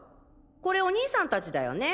これお兄さんたちだよね。